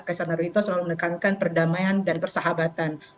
kaisar naruhito selalu menekankan perdamaian dan persahabatan